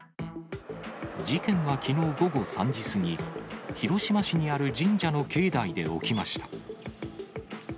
事件はきのう午後３時過ぎ、広島市にある神社の境内で起きました。